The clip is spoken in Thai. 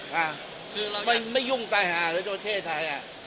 คือเราอยากไม่ยุ่งใต้หาเศรษฐพเทศไทยอ่ะ